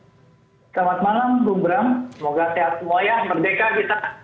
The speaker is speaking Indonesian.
selamat malam bung bram semoga sehat semua ya merdeka kita